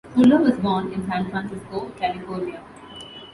Fuller was born in San Francisco, California.